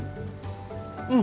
うん！